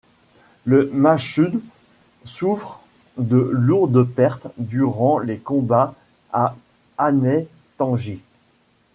Les Mahsuds souffrent de lourdes pertes durant les combats à Ahnai Tangi.